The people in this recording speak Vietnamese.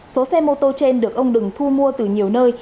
số xe mô tô trên được ông đừng thu mua từ nhiều nơi